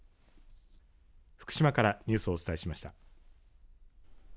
福島からニュースをお伝えしました。